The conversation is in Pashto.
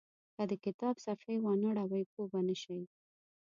که د کتاب صفحې وانه ړوئ پوه به نه شئ.